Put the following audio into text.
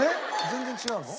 全然違うの？